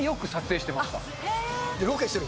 ロケしてる？